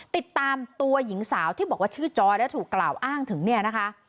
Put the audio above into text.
ติดตามตัวหญิงสาวที่บอกว่าชื่อจอยและถูกกล่าวอ้างถึงเนี่ยนะคะ